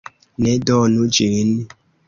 Ne donu ĝin!